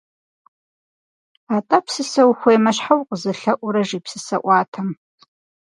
Атӏэ, псысэ ухуэмеймэ, щхьэ укъызэлъэӏурэ? - жи псысэӏуатэм.